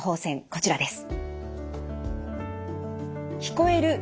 こちらです。